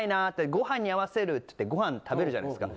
ご飯に合わせるつってご飯食べるじゃないですか。